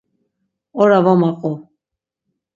Ora va maqu.